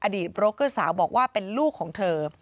โบรกเกอร์สาวบอกว่าเป็นลูกของเธอ